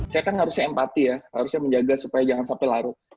saya kan harusnya empati ya harusnya menjaga supaya jangan sampai larut